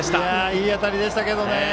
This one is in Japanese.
いい当たりでしたけどね